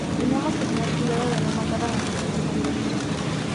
Teníamos que tener cuidado de no matar a nuestros compañeros.